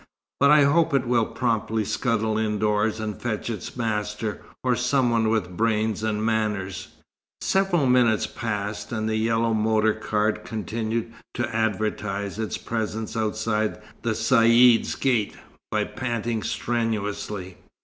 But I hope it will promptly scuttle indoors and fetch its master, or some one with brains and manners." Several minutes passed, and the yellow motor car continued to advertise its presence outside the Caïd's gate by panting strenuously.